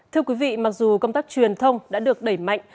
thưa quý vị mặc dù công tác truyền thông đã được đẩy mạnh